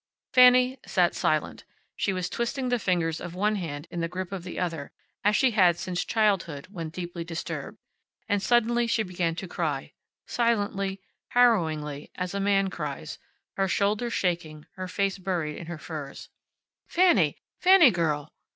Fanny sat silent. She was twisting the fingers of one hand in the grip of the other, as she had since childhood, when deeply disturbed. And suddenly she began to cry silently, harrowingly, as a man cries, her shoulders shaking, her face buried in her furs. "Fanny! Fanny girl!"